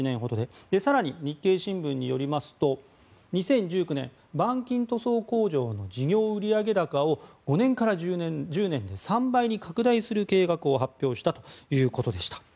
更に、日経新聞によりますと２０１９年、板金塗装工場の事業売上高を５年から１０年で３倍に拡大する計画を発表したということでした。